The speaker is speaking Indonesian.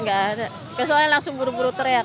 enggak ada ke soalnya langsung buru buru teriak